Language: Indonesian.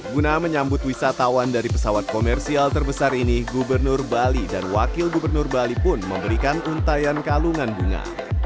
guna menyambut wisatawan dari pesawat komersial terbesar ini gubernur bali dan wakil gubernur bali pun memberikan untayan kalungan bunga